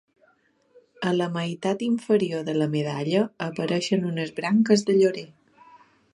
A la meitat inferior de la medalla apareixen unes branques de llorer.